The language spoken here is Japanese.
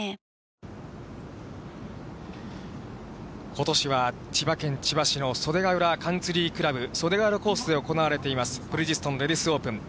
ことしは千葉県千葉市の袖ヶ浦カンツリークラブ袖ヶ浦コースで行われています、ブリヂストンレディスオープン。